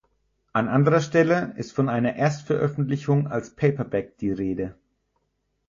An anderer Stelle ist von einer Erstveröffentlichung als Paperback die Rede.